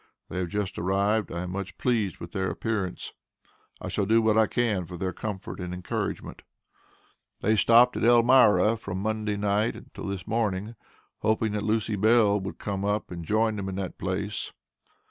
They have just arrived. I am much pleased with their appearance. I shall do what I can for their comfort and encouragement. They stopt at Elmira from Monday night till this morning, hoping that Lucy Bell would come up and join them at that place.